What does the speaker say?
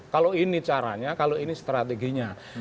kalau ini caranya kalau ini strateginya